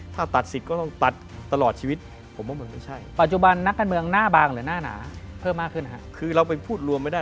ถ้าตัดสิทธิ์ก็ต้องตัดตลอดชีวิตผมว่ามันไม่ใช่